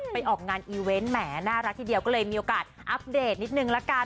ออกงานอีเวนต์แหมน่ารักทีเดียวก็เลยมีโอกาสอัปเดตนิดนึงละกัน